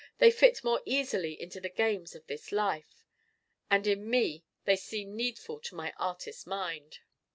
They fit more easily into the games of this life. And in me they seem needful to my Artist mind.